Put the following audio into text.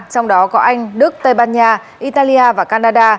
trong đó có anh đức tây ban nha italia và canada